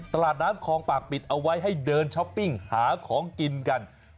ตลาดน้ำคลองปากปิดเอาไว้ให้เดินช้อปปิ้งหาของกินกัน